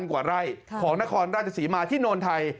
๑๘๘๐๐๐กว่าไร่ของนครราชสีมาที่โนนไทย